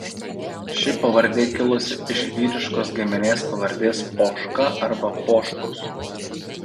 Ši pavardė kilusi iš vyriškos giminės pavardės Poška arba Poškus.